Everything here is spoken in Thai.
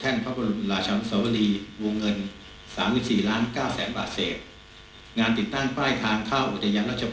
วงเหนิด๙ล้านบาทเสร็จ